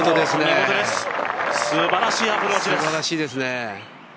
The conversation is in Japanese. すばらしいアプローチです。